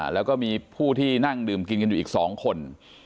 แล้วก็มีผู้ที่นั่งดื่มกินกันอยู่อีก๒คน